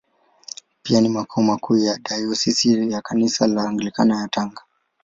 Pia ni makao makuu ya Dayosisi ya Kanisa la Anglikana ya Tanga.